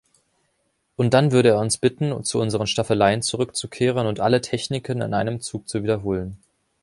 Und dann würde er uns bitten, zu unseren Staffeleien zurückzukehren und alle Techniken in einem Zug zu wiederholen.